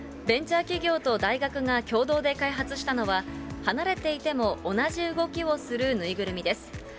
ベンチャー企業と大学が共同で開発したのは、離れていても同じ動きをする縫いぐるみです。